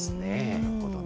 なるほどね。